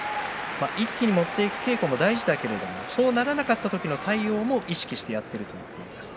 一気に持っていく稽古も大事だけどもそうなれなかった時の対応も意識してやっていると話しています。